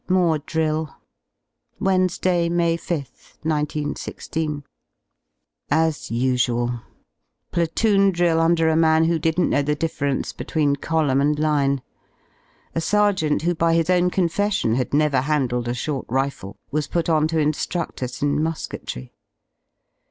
MORE DRILL Wednesday, May 5th, 191 6. As usual. Platoon drill under a man who didn't know the difference between column and line. A sergeant who, by his own confession, had never handled a short rifle was put ^ on to in^rudl us in musketry.